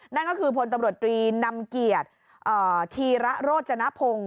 นั่นก็คือพลตำรวจตรีนำเกียรติธีระโรจนพงศ์